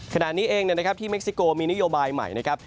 ขนาดนี้เองนะครับที่เม็กซิโกมีนิวบาลใหม่นะครับ